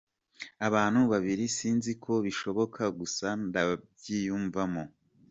abantu babiri? Sinzi ko bishoboka gusa ndabyiyumvamo.